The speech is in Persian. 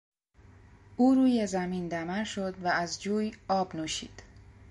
او روی زمین دمر شد و از جوی آب نوشید.